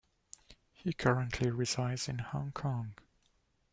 He currently resides in Hong Kong.